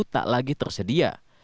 tak lagi tersedia